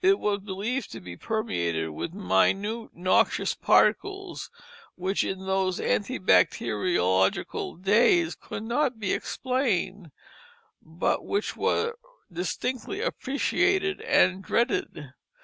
It was believed to be permeated with minute noxious particles, which in those ante bacteriological days could not be explained, but which were distinctly appreciated and dreaded.